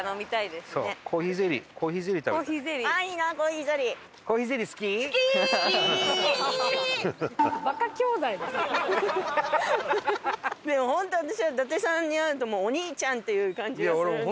でも本当私は伊達さんに会うともうお兄ちゃんっていう感じがするんですよ。